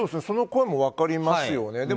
その声も分かりますよね。